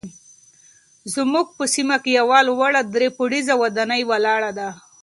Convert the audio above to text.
زموږ په سیمه کې یوه لوړه درې پوړیزه ودانۍ ولاړه ده.